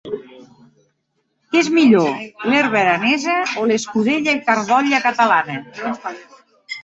Què és millor, l'herba aranesa o l'escudella i carn d'olla catalana?